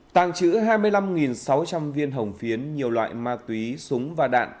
tàng trữ hai mươi năm sáu trăm linh viên hồng phiến nhiều loại ma túy súng và đạn